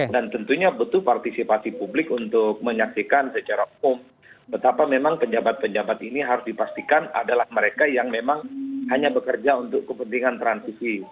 dan tentunya butuh partisipasi publik untuk menyaksikan secara umum betapa memang penjabat penjabat ini harus dipastikan adalah mereka yang memang hanya bekerja untuk kepentingan transisi